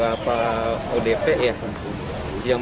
kota bogor mencapai dua puluh dua orang